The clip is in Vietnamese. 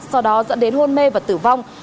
do đó dẫn đến hôn mê và tử vong